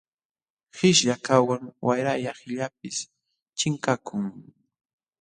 Qishyakaqwan wayralla qillaypis chinkakun.